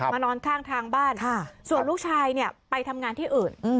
นอนข้างทางบ้านส่วนลูกชายเนี่ยไปทำงานที่อื่น